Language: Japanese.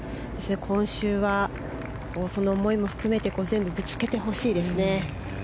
今週はその思いも含めて全部ぶつけてほしいですね。